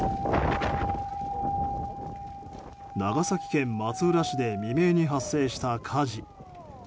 長崎県松浦市で未明に発生した火事。